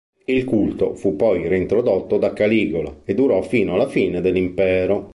Il culto fu poi reintrodotto da Caligola, e durò fino alla fine dell'impero.